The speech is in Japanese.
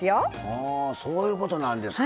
はぁそういうことなんですか。